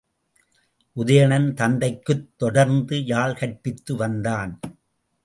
உதயணன் தத்தைக்குத் தொடர்ந்து யாழ் கற்பித்து வந்தான்.